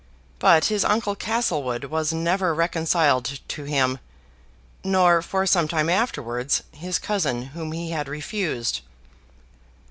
But his uncle Castlewood was never reconciled to him; nor, for some time afterwards, his cousin whom he had refused.